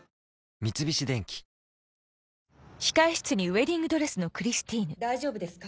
三菱電機大丈夫ですか？